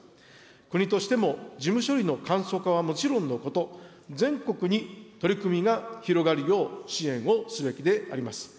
国としても事務処理の簡素化はもちろんのこと、全国に取り組みが広がるよう、支援をすべきであります。